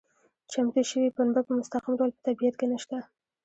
چمتو شوې پنبه په مستقیم ډول په طبیعت کې نشته.